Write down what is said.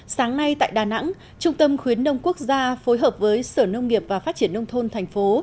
sáng nay tại đà nẵng trung tâm khuyến nông quốc gia phối hợp với sở nông nghiệp và phát triển nông thôn thành phố